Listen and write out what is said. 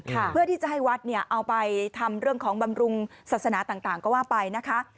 เพื่อที่จะให้วัดเนี่ยเอาไปทำเรื่องของบำรุงศาสนาต่างก็ว่าไปนะคะ